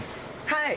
はい。